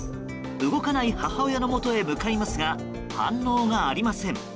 動かない母親のもとへ向かいますが反応がありません。